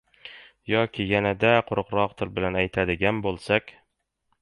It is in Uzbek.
yoki yanada quruqroq til bilan aytadigan boʻlsak